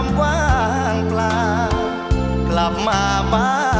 ช่วยฝังดินหรือกว่า